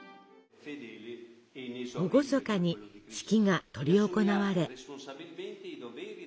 厳かに式が執り行われ。